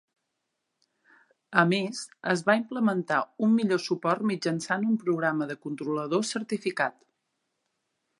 A més, es va implementar un millor suport mitjançant un programa de controladors certificat.